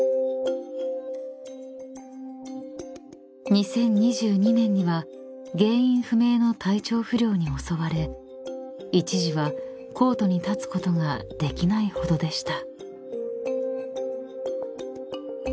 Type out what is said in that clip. ［２０２２年には原因不明の体調不良に襲われ一時はコートに立つことができないほどでした］